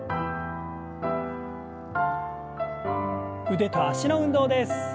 腕と脚の運動です。